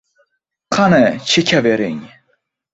Qani, chekavering